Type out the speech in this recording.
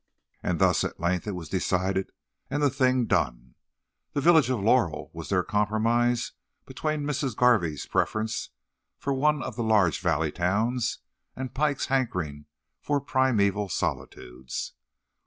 And thus, at length, it was decided, and the thing done. The village of Laurel was their compromise between Mrs. Garvey's preference for one of the large valley towns and Pike's hankering for primeval solitudes.